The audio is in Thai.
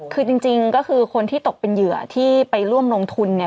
คือจริงก็คือคนที่ตกเป็นเหยื่อที่ไปร่วมลงทุนเนี่ย